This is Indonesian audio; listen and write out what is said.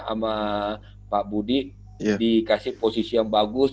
sama pak budi dikasih posisi yang bagus